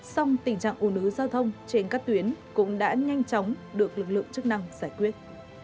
song tình trạng un ứ giao thông trên các tuyến cũng đã nhanh chóng được lực lượng chức năng giải quyết